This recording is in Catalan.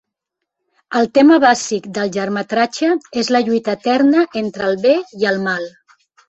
El tema bàsic del llargmetratge és la lluita eterna entre el bé i el mal.